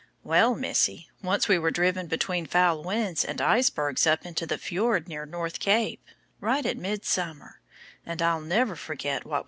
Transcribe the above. "Well, Missie, once we were driven between foul winds and icebergs up into a fiord near North Cape, right at midsummer, and I'll never forget what we saw there."